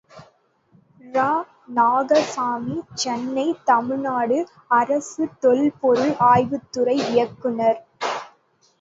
இரா, நாகசாமி, சென்னை, தமிழ்நாடு அரசு தொல் பொருள் ஆய்வுத்துறை இயக்குநர்.